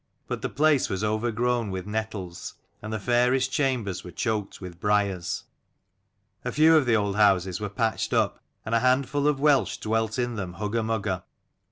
But the place was overgrown with nettles, and the fairest chambers were choked with briars. A few of the old houses were patched up, and a handful of Welsh dwelt in them hugger mugger.